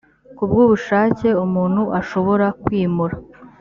kubw ubushake umuntu ashobora kwimura